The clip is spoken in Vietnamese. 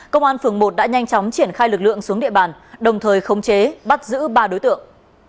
công an phường một đã nhanh chóng triển khai lực lượng xuống địa bàn đồng thời không chế bắt giữ ba đối tượng